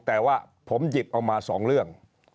แต่ว่าผมหยิบเอามาสองเรื่อง